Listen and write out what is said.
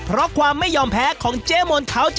เพราะความไม่ยอมแพ้ของเจ๊มนต์เขา